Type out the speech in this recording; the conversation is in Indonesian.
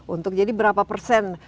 untuk jadi berapa persen